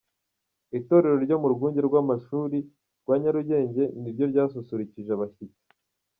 Itorero ryo mu rwunge rw'amashuli rwa Nyarugenge ni ryo ryasusurukije abashyitsi.